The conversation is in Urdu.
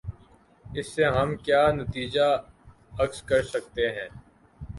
اس سے ہم کیا نتیجہ اخذ کر سکتے ہیں۔